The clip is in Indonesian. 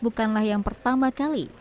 bukanlah yang pertama kali